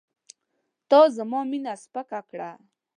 تا زما مینه سپکه کړه.